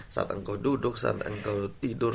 saat engkau duduk saat engkau tidur